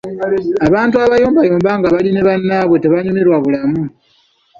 Abantu abayombayomba nga bali ne bannaabwe tebanyumirwa bulamu.